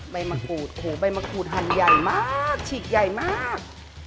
ใบมะกรูดหันใหญ่มากฉีกใหญ่มาก